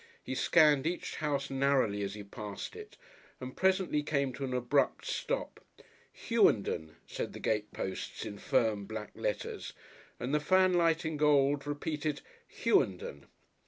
He scanned each house narrowly as he passed it, and presently came to an abrupt stop. "Hughenden," said the gateposts in firm, black letters, and the fanlight in gold repeated "Hughenden."